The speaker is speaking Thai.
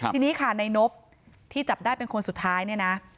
ทีนี้ค่ะในนบที่จับได้เป็นคนสุดท้ายเนี่ยนะ